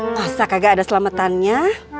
masa kagak ada selamatannya